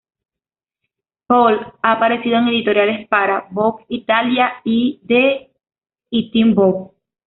Paul ha aparecido en editoriales para "Vogue Italia", "i-D" y "Teen Vogue".